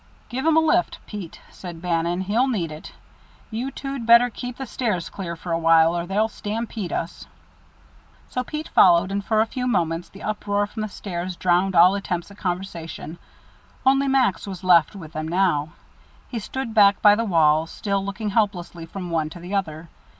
"Give him a lift, Pete," said Bannon. "He'll need it. You two'd better keep the stairs clear for a while, or they'll stampede us." So Pete followed, and for a few moments the uproar from the stairs drowned all attempts at conversation. Only Max was left with them now. He stood back by the wall, still looking helplessly from one to the other.